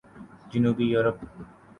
جنوبی یورپ